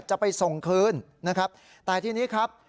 จะไปส่งคืนนะครับแต่ทีนี้ครับ